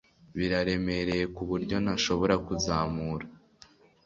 Biraremereye kuburyo ntashobora kuzamura